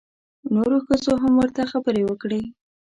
نورو ښځو هم ورته خبرې وکړې.